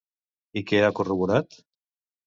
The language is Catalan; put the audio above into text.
I què ha corroborat?